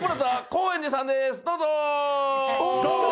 どうも！